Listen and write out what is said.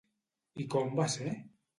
I com va ser?